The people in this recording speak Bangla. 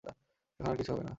এখন আর কিছু হবেনা।